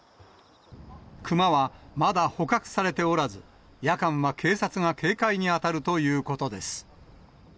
クマはまだ捕獲されておらず、夜間は警察が警戒に当たるということです。